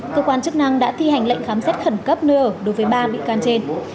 cơ quan chức năng đã thi hành lệnh khám xét khẩn cấp nơi ở đối với ba bị can trên